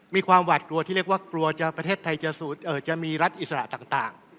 มีความหวาดกลัวที่เรียกว่ากลัวจะประเทศไทยจะมีรัฐอิสระต่าง